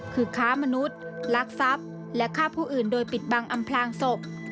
คือค้ามนุษย์ลักทรัพย์และฆ่าผู้อื่นโดยปิดบังอำพลางศพ